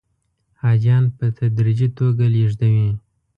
حاجیان په تدریجي توګه لېږدوي.